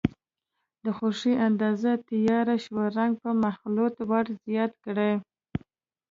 د خوښې اندازه تیار شوی رنګ په مخلوط ور زیات کړئ.